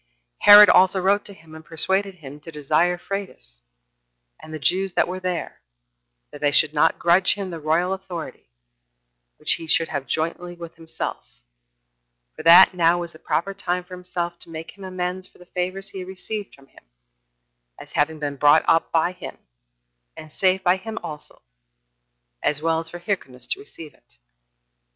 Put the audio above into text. Herod also wrote to him, and persuaded him to desire of Phraates, and the Jews that were there, that they should not grudge him the royal authority, which he should have jointly with himself, for that now was the proper time for himself to make him amends for the favors he had received from him, as having been brought up by him, and saved by him also, as well as for Hyrcanus to receive it.